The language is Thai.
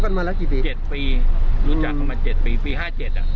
พบกันมาละกี่ปีเจ็ดปีรู้จักเขามาเจ็ดปีปีห้าเจ็ดอ่ะ